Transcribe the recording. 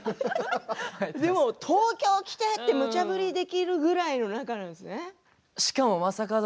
東京来てってむちゃ振りできるくらいの仲なんですね。